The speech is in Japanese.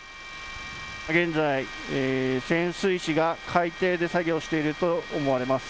現在、潜水士が海底で作業していると思われます。